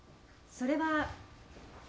それは？